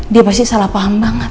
dia pasti salah paham banget